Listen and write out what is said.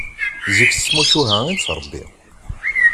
Zik s tmucuha i nettrebbi.